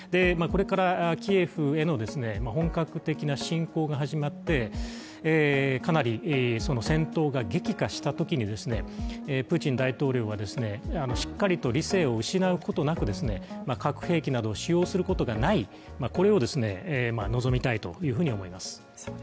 これからキエフへの本格的な侵攻が始まって、かなり戦闘が激化したときにプーチン大統領はしっかりと理性を失うことなく核兵器などを使用することがない、これを望みたいというふうに思います。